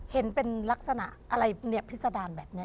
เห็นเป็นลักษณะอะไรเนี่ยพิษดารแบบนี้